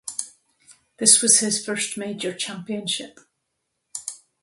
This was his first major championship.